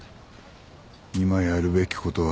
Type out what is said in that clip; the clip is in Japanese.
今やるべきことは。